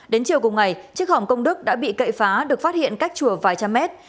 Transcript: đến chiều cùng ngày chiếc hòm công đức đã bị cậy phá được phát hiện cách chùa vài trăm mét